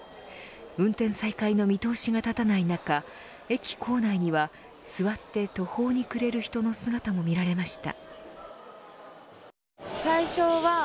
運転再開の見通しが立たない中駅構内には座って途方にくれる人の姿も見られました。